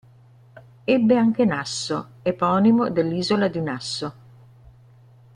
Ebbe anche Nasso, eponimo dell'isola di Nasso.